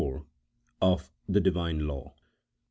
OF THE DIVINE LAW.